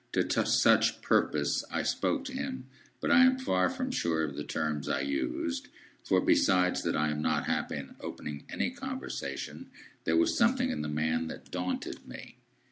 To such purpose I spoke to him; but I am far from sure of the terms I used; for, besides that I am not happy in opening any conversation, there was something in the man that daunted me.